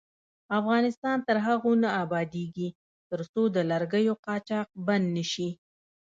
افغانستان تر هغو نه ابادیږي، ترڅو د لرګیو قاچاق بند نشي.